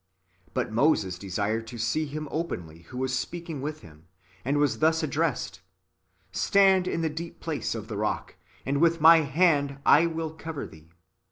^ But Moses desired to see Hirn openly who was speaking with him, and was thus addressed :" Stand in the deep place of the rock, and with my hand I will cover thee.